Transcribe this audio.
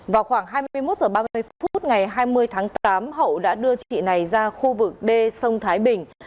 vào khoảng hai mươi một h ba mươi phút ngày hai mươi tháng tám hậu đã đưa chị này ra khu vực đê sông thái bình